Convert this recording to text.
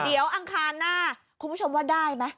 เดี๋ยวอังคารหน้าคุณผู้ชมว่าได้ไหม